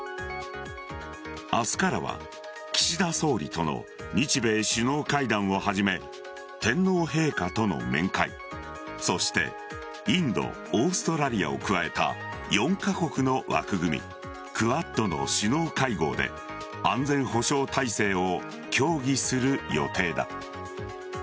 明日からは岸田総理との日米首脳会談をはじめ天皇陛下との面会そしてインド、オーストラリアを加えた４カ国の枠組みクアッドの首脳会合で安全保障体制を協議する予定だ。